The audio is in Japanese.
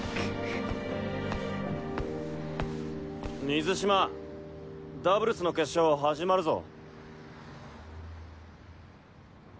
水嶋ダブルスの決勝始まるぞ。